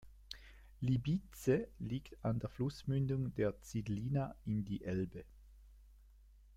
Libice liegt an der Flussmündung der Cidlina in die Elbe.